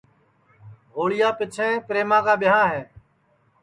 ہوݪی پیچھیں پریما کا ٻیاں ہے